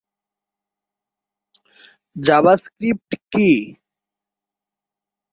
এসব পাখির আকার-আকৃতি, বর্ণ ও স্বভাবে বৈচিত্র্যময়।